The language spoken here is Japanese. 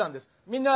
みんな！